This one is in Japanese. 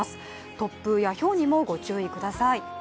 突風やひょうにもご注意ください。